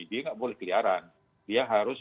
dia nggak boleh keliaran dia harus